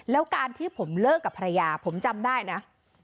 แล้วการที่ผมเลิกกับภรรยาผมจำได้นะ